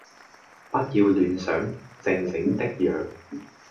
不要亂想，靜靜的養！